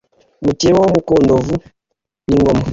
mukeba wa mukond-uvun-ingoma.